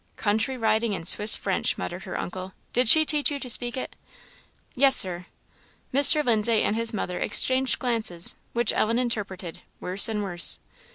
"Country riding and Swiss French," muttered her uncle. "Did she teach you to speak it?" "Yes, Sir." Mr. Lindsay and his mother exchanged glances, which Ellen interpreted, "Worse and worse."